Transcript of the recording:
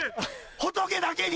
仏だけに！